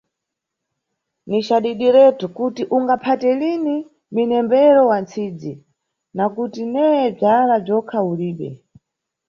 Ni cadidiretu kuti ungaphate lini mnembero wa ntsidzi, nakuti neye bzala bzokha ulibe!